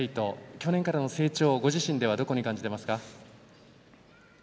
去年からの成長、ご自身はどう感じていますか。